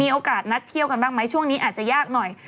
โอกาสนัดเที่ยวกันบ้างไหมช่วงนี้อาจจะยากหน่อย